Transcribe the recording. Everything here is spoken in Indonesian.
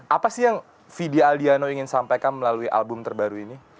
apa sih yang fidya aldiano ingin sampaikan melalui album terbaru ini